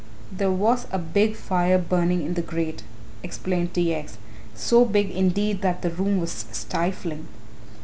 "There was a big fire burning in the grate," explained T. X.; "so big indeed that the room was stifling."